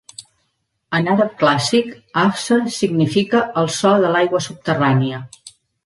En àrab clàssic, Ahsa significa el so de l'aigua subterrània.